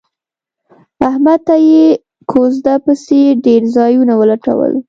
احمد ته یې کوزده پسې ډېر ځایونه ولټول